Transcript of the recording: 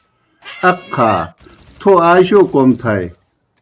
اَقہا تھو آ جو کوْم تھائے۔